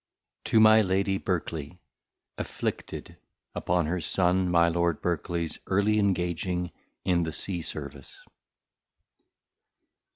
To my Lady Berkeley, Afflicted upon her Son, My Lord BERKELEY's Early Engaging in the Sea Service.